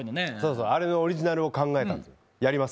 あれのオリジナルを考えたの、やります。